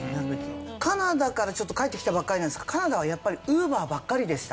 カナダからちょっと帰ってきたばっかりなんですけどカナダはやっぱりＵｂｅｒばっかりでした。